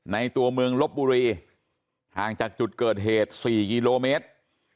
ตัวเมืองลบบุรีห่างจากจุดเกิดเหตุ๔กิโลเมตร